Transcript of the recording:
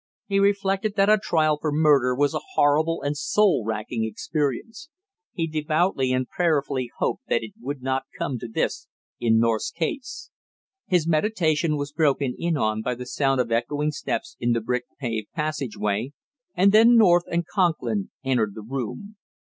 He reflected that a trial for murder was a horrible and soul racking experience. He devoutly and prayerfully hoped that it would not come to this in North's case. His meditation was broken in on by the sound of echoing steps in the brick paved passageway, and then North and Conklin entered the room.